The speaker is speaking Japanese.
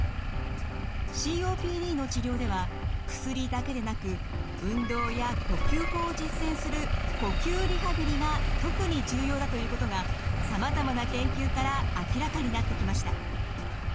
ＣＯＰＤの治療では薬だけでなく運動や呼吸法を実践する呼吸リハビリが特に重要だということがさまざまな研究から明らかになってきました。